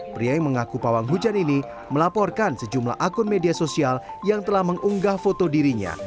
pria yang mengaku pawang hujan ini melaporkan sejumlah akun media sosial yang telah mengunggah foto dirinya